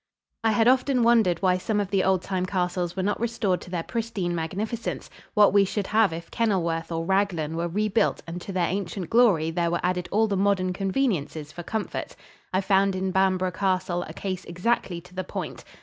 I had often wondered why some of the old time castles were not restored to their pristine magnificence what we should have if Kenilworth or Raglan were re built and to their ancient glory there were added all the modern conveniences for comfort. I found in Bamborough Castle a case exactly to the point.